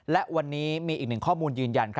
และวันนี้มีอีกหนึ่งข้อมูลยืนยัน